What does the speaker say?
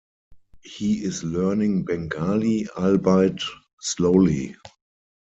He is learning Bengali, albeit slowly.